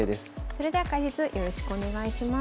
それでは解説よろしくお願いします。